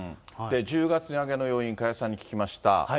１０月値上げの要因、加谷さんに聞きました。